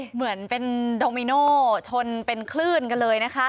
เหมือนเป็นโดมิโนชนเป็นคลื่นกันเลยนะคะ